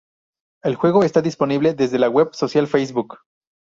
El juego está disponible desde la web social Facebook.